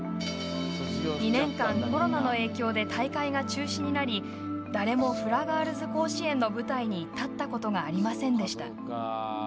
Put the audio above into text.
２年間コロナの影響で大会が中止になり誰もフラガールズ甲子園の舞台に立ったことがありませんでした。